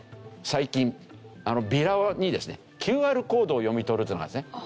最近ビラにですねＱＲコードを読み取るというのがあるんですね。